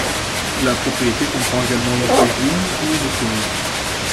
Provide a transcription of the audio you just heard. La propriété comprend également une cuisine et une écurie.